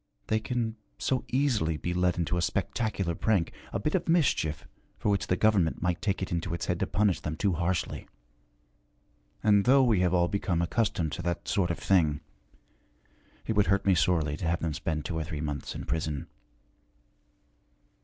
They can so easily be led into a spectacular prank, a bit of mischief for which the government might take it into its head to punish them too harshly. And though we have all become accustomed to that sort of thing, it would hurt me sorely to have them spend two or three months in prison.'